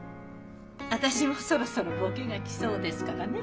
私もそろそろボケが来そうですからね